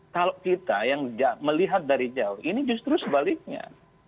kalau kita yang melihat dari jauh ini justru sebaliknya